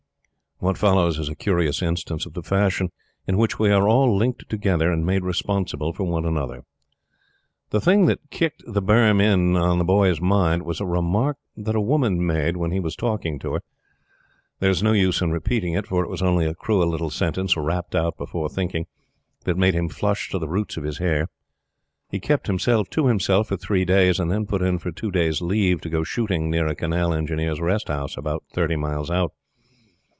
What follows is a curious instance of the fashion in which we are all linked together and made responsible for one another. THE thing that kicked the beam in The Boy's mind was a remark that a woman made when he was talking to her. There is no use in repeating it, for it was only a cruel little sentence, rapped out before thinking, that made him flush to the roots of his hair. He kept himself to himself for three days, and then put in for two days' leave to go shooting near a Canal Engineer's Rest House about thirty miles out.